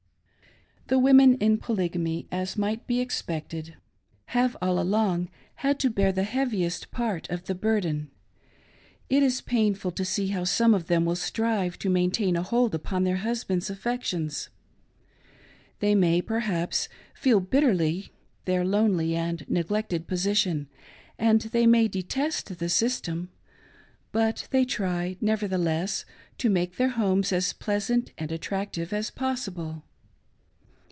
The women, in Polygamy, as might be expected, have all 470 "SEE HOW I MANAGE MY WPMEDT !" along had to bear the heaviest part of the burden. It is pain ful to see how some of them will strive to maintain a hold upon their husband's affections. They may, perhaps, feel bitr terly their lonely and neglected position, and they may detest the system, but they try, nevertheless, to make their homes as pleasant, and attractive as possible.